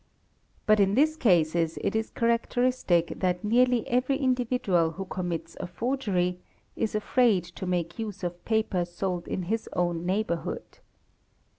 But in these cases it is characteristic that nearly every individual who commits a forgery is afraid to make use of paper sold in his own neighbourhood.